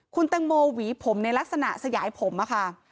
คุณตังโมหวีผมในลักษณะสยายผมอะค่ะ